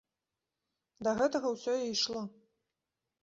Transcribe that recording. Да гэтага ўсё і ішло!